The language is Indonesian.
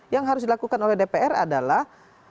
yang harus dilakukan oleh dpr adalah